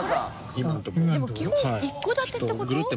井森）でも基本一戸建てってこと？